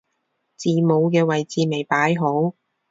字母嘅位置未擺好